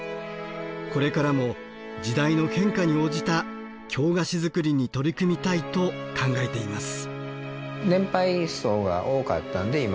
これからも時代の変化に応じた京菓子作りに取り組みたいと考えています。